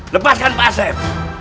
lepaskan pak asyaf